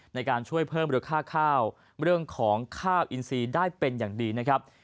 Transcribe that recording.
ในการช่วยเพิ่มมูลค่าข้าวเรื่องของข้าวอินซีได้เป็นอย่างดีนะครับ